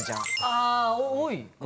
あ多いか？